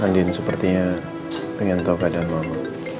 andien sepertinya pengen tau keadaan mama